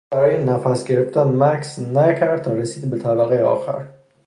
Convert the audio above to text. او برای نفس گرفتن مکث نکرد تا رسید به طبقهی آخر.